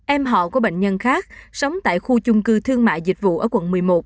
em họ của bệnh nhân khác sống tại khu chung cư thương mại dịch vụ ở quận một mươi một